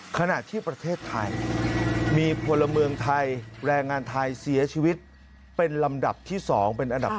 ขณะที่ประเทศไทยมีพลเมืองไทยแรงงานไทยเสียชีวิตเป็นอันดับที่สอง